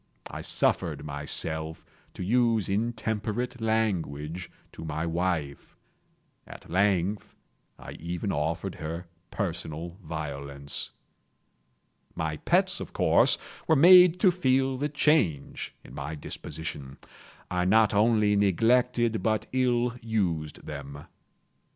I suffered myself to use intemperate language to my wife. At length, I even offered her personal violence. My pets, of course, were made to feel the change in my disposition. I not only neglected, but ill used them.